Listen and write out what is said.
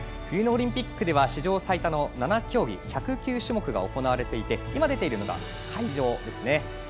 冬のオリンピックでは史上最多の７競技１０９種目が行われていて、今出ているのが会場ですね。